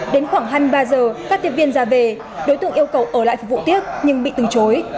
đến khoảng hai mươi ba h các tiếp viên ra về đối tượng yêu cầu ở lại phục vụ tiếc nhưng bị từ chối